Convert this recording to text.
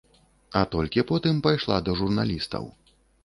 А толькі потым пайшла да журналістаў.